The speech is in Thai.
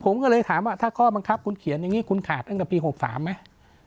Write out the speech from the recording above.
ผมก็เลยถามว่าถ้าข้อบังคับคุณเขียนอย่างนี้คุณขาดตั้งแต่ปี๖๓ไหม